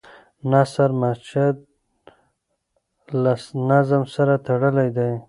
نثر مسجع له نظم سره تړلی دی.